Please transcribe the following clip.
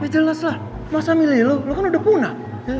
jelas lah masa milih lo lo kan udah punah